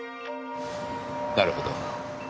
なるほど。